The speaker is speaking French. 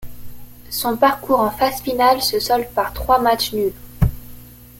Son parcours en phase finale se solde par trois matchs nuls.